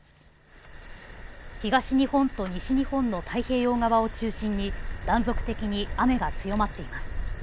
東日本と西日本の太平洋側を中心に断続的に雨が強まっています。